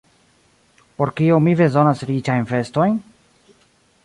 Por kio mi bezonas riĉajn vestojn?